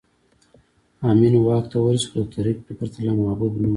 امین واک ته ورسېد خو د ترکي په پرتله محبوب نه و